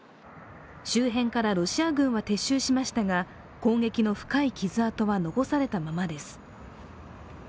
周辺からロシア軍は撤収しましたが攻撃の深い傷痕は残されたままです。